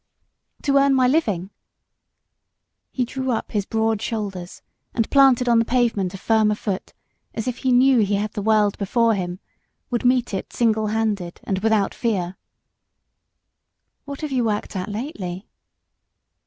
"To earn my living." He drew up his broad shoulders, and planted on the pavement a firmer foot, as if he knew he had the world before him would meet it single handed, and without fear. "What have you worked at lately?"